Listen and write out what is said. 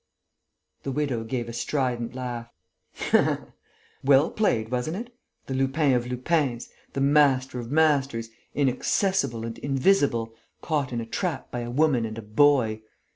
The widow gave a strident laugh: "Well played, wasn't it? The Lupin of Lupins, the master of masters, inaccessible and invisible, caught in a trap by a woman and a boy!...